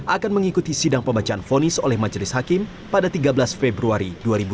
akan mengikuti sidang pembacaan fonis oleh majelis hakim pada tiga belas februari dua ribu dua puluh